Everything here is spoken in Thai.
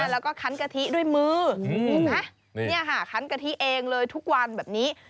แล้วก็ขั้นกะทิด้วยมือขั้นกะทิเองเลยทุกวันแบบนี้